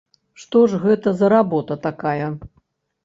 Што ж гэта за работа такая?